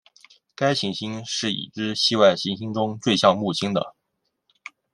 该行星是已知系外行星中最像木星的。